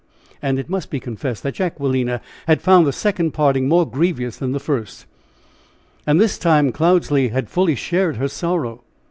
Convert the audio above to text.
And it must be confessed that Jacquelina had found the second parting more grievous than the first. And this time Cloudesley had fully shared her sorrow.